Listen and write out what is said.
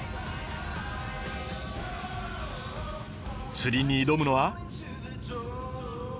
釣りに挑むのは。